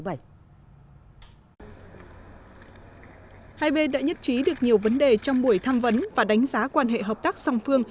hai bên đã nhất trí được nhiều vấn đề trong buổi tham vấn và đánh giá quan hệ hợp tác song phương